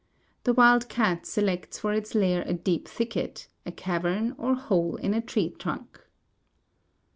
The wild cat selects for its lair a deep thicket, a cavern, or hole in a tree trunk.